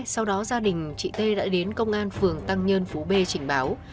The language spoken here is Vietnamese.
sau đó gia đình chị tê đã đến công an phường tăng nhân phú b trình báo